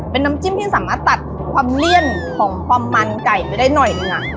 เป็นน้ำจิ้มที่สามารถตัดความเลี่ยนของความมันไก่ไปได้หน่อยหนึ่ง